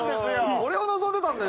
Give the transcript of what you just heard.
これを望んでたんだよ。